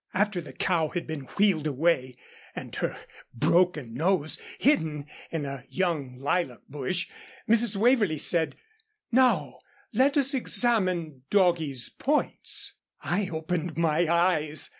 After the cow had been wheeled away, and her broken nose hidden in a young lilac bush, Mrs. Waverlee said, "Now, let us examine doggie's points." I opened my eyes.